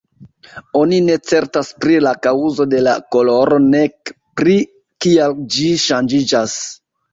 Oni ne certas pri la kaŭzo de la koloro nek pri kial ĝi ŝanĝiĝas.